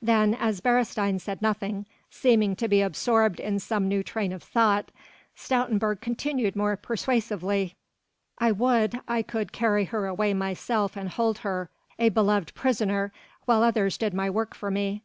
Then as Beresteyn said nothing, seeming to be absorbed in some new train of thought, Stoutenburg continued more persuasively: "I would I could carry her away myself and hold her a beloved prisoner while others did my work for me.